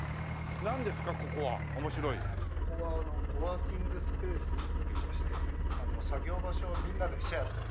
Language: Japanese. ここはあのコワーキングスペースっていいまして作業場所をみんなでシェアする。